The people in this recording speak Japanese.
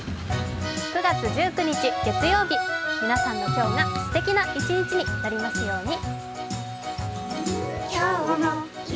９月１９日月曜日、皆さんの今日がすてきな一日になりますように。